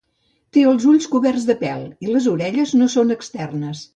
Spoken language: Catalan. Té els ulls coberts de pèl i les orelles no són externes.